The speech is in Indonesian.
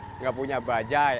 tidak punya bajai